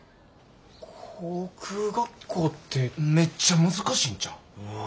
航空学校ってめっちゃ難しいんちゃう？